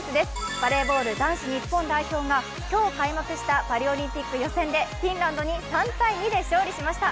バレーボール男子日本代表が今日開幕したパリオリンピック予選でフィンランドに３ー２で勝利しました。